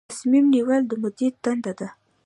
تصمیم نیول د مدیر دنده ده